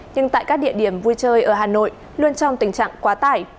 nhưng tại các địa điểm vui chơi ở hà nội luôn trong tình trạng quá tải